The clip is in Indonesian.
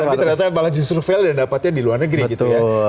tapi ternyata malah justru fail dan dapatnya di luar negeri gitu ya